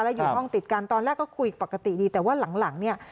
แล้วอยู่ห้องติดกันตอนแรกก็คุยปกติดีแต่ว่าหลังเนี่ย